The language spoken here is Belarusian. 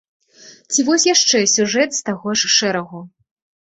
Ці вось яшчэ сюжэт з таго ж шэрагу.